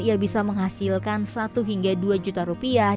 ia bisa menghasilkan satu hingga dua juta rupiah